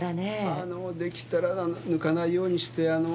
あのできたら抜かないようにしてあの。